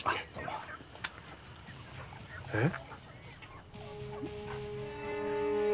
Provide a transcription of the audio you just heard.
えっ！？